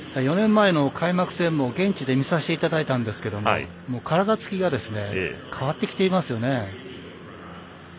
４年前の開幕戦も現地で見させていただきましたが体つきが変わってきていますよね。